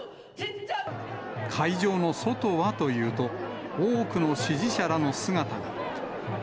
会場の外はというと、多くの支持者らの姿が。